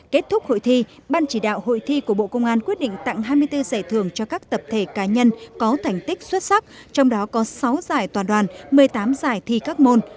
kết thúc hội thi ban chỉ đạo hội thi của bộ công an quyết định tặng hai mươi bốn giải thưởng cho các tập thể cá nhân có thành tích xuất sắc trong đó có sáu giải toàn đoàn một mươi tám giải thi các môn